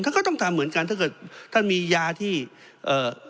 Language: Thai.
ก็ต้องทำเหมือนกันถ้าเกิดท่านมียาที่เอ่อ